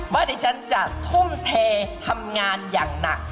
ว่าที่ฉันจะทุ่มเททำงานอย่างหนัก